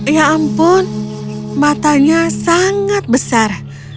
ya ampun matanya sangat besar